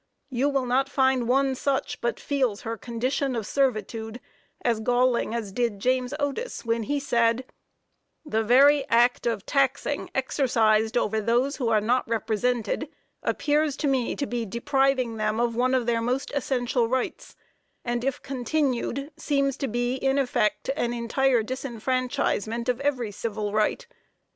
You will not find one such but feels her condition of servitude as galling as did James Otis when he said: "The very act of taxing exercised over those who are not represented appears to me to be depriving them of one of their most essential rights, and if continued, seems to be in effect an entire disfranchisement of every civil right.